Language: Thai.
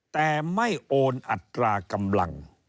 แต่ไม่โอนอัตรากำลัง